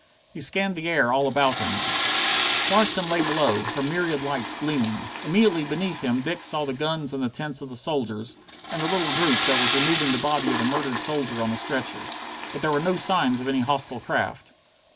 He scanned the air all about him. Washington lay below, her myriad lights gleaming. Immediately beneath him Dick saw the guns and the tents of the soldiers, and the little group that was removing the body of the murdered soldier on a stretcher. But there were no signs of any hostile craft.